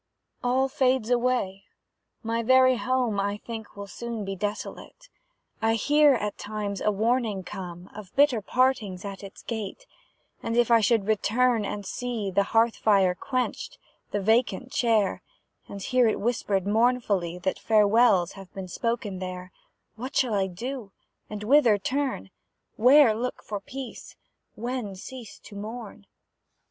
All fades away; my very home I think will soon be desolate; I hear, at times, a warning come Of bitter partings at its gate; And, if I should return and see The hearth fire quenched, the vacant chair; And hear it whispered mournfully, That farewells have been spoken there, What shall I do, and whither turn? Where look for peace? When cease to mourn?